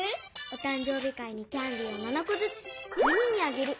「おたん生日会にキャンディーを７こずつ４人にあげる。